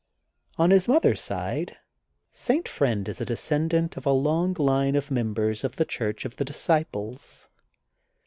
On his mother's side St. Friend is a descendant of a long line of members of the Church of the Disciples.